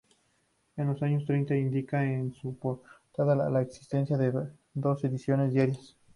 En los años treinta indica en su portada la existencia de "Dos ediciones diarias".